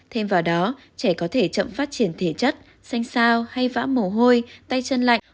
thêm vào đó trẻ có thể chậm phát triển thể chất xanh sao hay vã mổ hôi tay chân lạnh